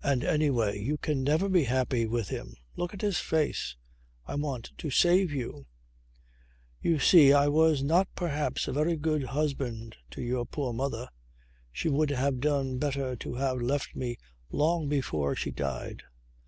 And anyway you can never be happy with him. Look at his face. I want to save you. You see I was not perhaps a very good husband to your poor mother. She would have done better to have left me long before she died.